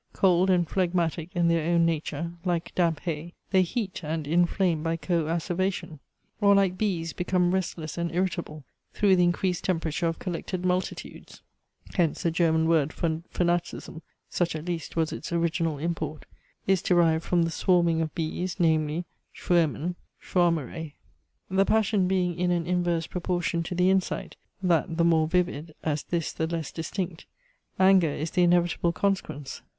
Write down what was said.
Cold and phlegmatic in their own nature, like damp hay, they heat and inflame by co acervation; or like bees they become restless and irritable through the increased temperature of collected multitudes. Hence the German word for fanaticism, (such at least was its original import,) is derived from the swarming of bees, namely, schwaermen, schwaermerey. The passion being in an inverse proportion to the insight, that the more vivid, as this the less distinct anger is the inevitable consequence.